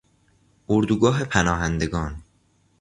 اردوگاه پناهندگان